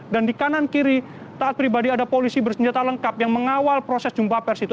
dan di kanan kiri taat pribadi ada polisi bersenjata lengkap yang mengawal proses jumlah pers itu